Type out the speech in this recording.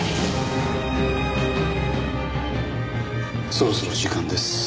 そろそろ時間です。